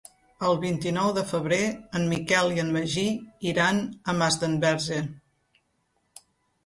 El vint-i-nou de febrer en Miquel i en Magí iran a Masdenverge.